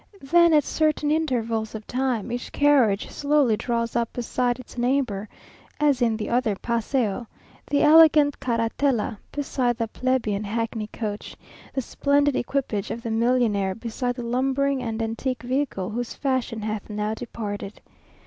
Then at certain intervals of time each carriage slowly draws up beside its neighbour (as in the other paseo); the elegant carratela beside the plebeian hackney coach; the splendid equipage of the millionaire beside the lumbering and antique vehicle whose fashion hath now departed.